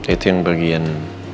itu yang bagian